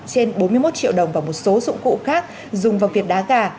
trên bốn mươi một triệu đồng và một số dụng cụ khác dùng vào việc đá gà